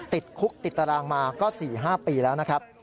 ติดคุกติดตารางมาก็๔๕ปีแล้วนะครับ